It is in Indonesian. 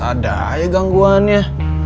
ada aja gangguannya